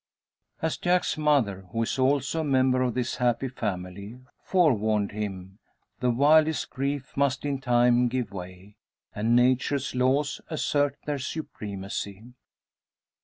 As Jack's mother who is also a member of this happy family forewarned him, the wildest grief must in time give way, and Nature's laws assert their supremacy.